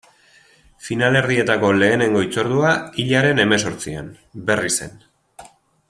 Finalerdietako lehenengo hitzordua, hilaren hemezortzian, Berrizen.